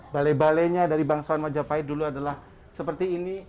balai balainya dari bangsawan majapahit dulu adalah seperti ini